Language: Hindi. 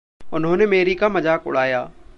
उन्होंने मेरी का मज़ाक उड़ाया।